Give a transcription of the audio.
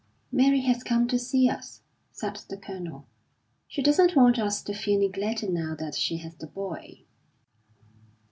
"Mary has come to see us," said the Colonel. "She doesn't want us to feel neglected now that she has the boy."